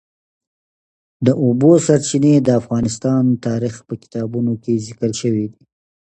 د اوبو سرچینې د افغان تاریخ په کتابونو کې ذکر شوی دي.